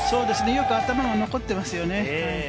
よく頭が残っていますよね。